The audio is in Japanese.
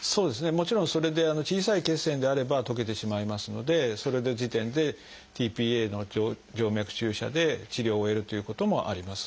もちろんそれで小さい血栓であれば溶けてしまいますのでそれの時点でｔ−ＰＡの静脈注射で治療を終えるということもあります。